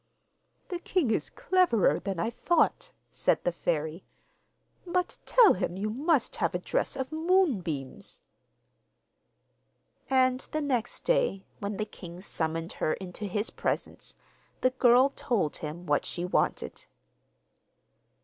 'The king is cleverer than I thought,' said the fairy; 'but tell him you must have a dress of moonbeams.' And the next day, when the king summoned her into his presence, the girl told him what she wanted.